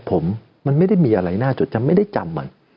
ผมมันไม่ได้มีอะไรน่าจดจำไม่ได้จำ